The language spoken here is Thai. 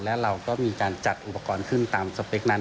และเราก็มีการจัดอุปกรณ์ขึ้นตามสเปคนั้น